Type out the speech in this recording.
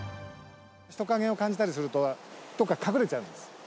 人影を感じたりするとどっか隠れちゃうんです。